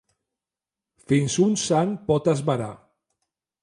Fins un sant pot esvarar.